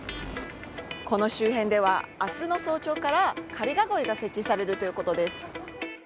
この周辺では明日の早朝から仮囲いが設置されるということです。